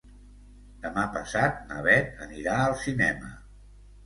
Demà passat na Beth anirà al cinema.